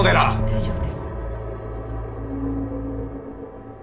大丈夫です。